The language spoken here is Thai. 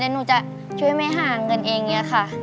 และหนูจะช่วยแม่หาเงินเองเนี่ยค่ะ